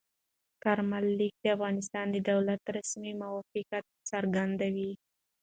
کارمل لیک د افغانستان د دولت رسمي موقف څرګندوي.